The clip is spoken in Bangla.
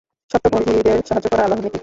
সত্য পন্থীদের সাহায্য করা আল্লাহর নীতি।